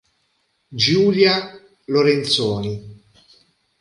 Giulia Lorenzoni